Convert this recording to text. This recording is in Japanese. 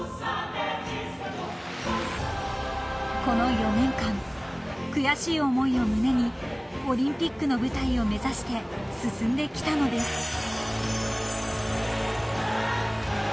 ［この４年間悔しい思いを胸にオリンピックの舞台を目指して進んできたのです］